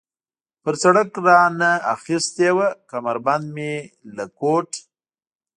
پر سړک را نه اخیستې وه، کمربند مې له کوټ.